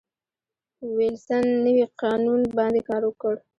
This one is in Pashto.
وېلسن نوي قانون باندې کار وکړ.